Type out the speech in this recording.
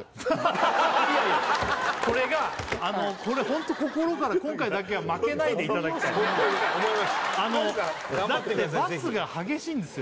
これがこれホント心から今回だけは負けないでいただきたいだってねバツが激しいんですよ